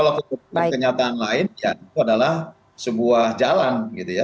dan kenyataan lain ya itu adalah sebuah jalan gitu ya